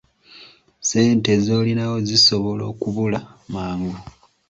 Ssente z'olinawo zisobola okubula mangu.